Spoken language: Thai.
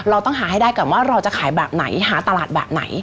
เราต้องหาให้ได้ก่อนว่าเราจะขายแบบไหนหาตลาดแบบไหน